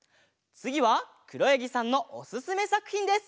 つぎはくろやぎさんのおすすめさくひんです。